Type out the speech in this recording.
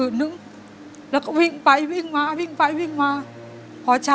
แล้วตอนนี้พี่พากลับไปในสามีออกจากโรงพยาบาลแล้วแล้วตอนนี้จะมาถ่ายรายการ